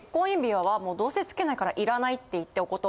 もうどうせつけないから要らないって言って。